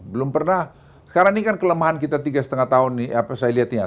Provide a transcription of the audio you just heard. belum pernah sekarang ini kan kelemahan kita tiga lima tahun nih apa saya lihat ini ya